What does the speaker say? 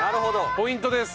ポイントです。